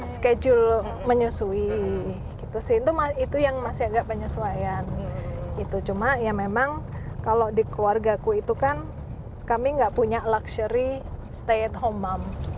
schedule menyusui itu yang masih agak penyesuaian cuma ya memang kalau di keluarga aku itu kan kami nggak punya luxury stay at home mom